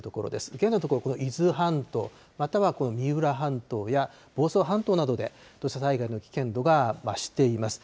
現在のところ、これ、伊豆半島、またはこの三浦半島や房総半島などで、土砂災害の危険度が増しています。